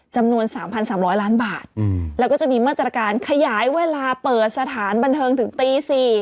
จำนวน๓๓๐๐ล้านบาทแล้วก็จะมีมาตรการขยายเวลาเปิดสถานบันเทิงถึงตี๔